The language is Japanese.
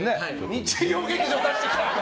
日曜劇場出してきた！